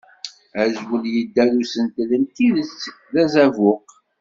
Azwel yedda d usentel d tidet d azabuq.